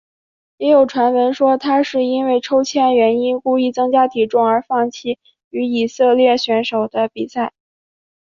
也有传闻说他是因为抽签原因故意增加体重而放弃与以色列选手的比赛。